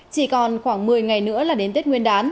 chỉ còn khoảng một mươi ngày nữa là đến tết nguyên đán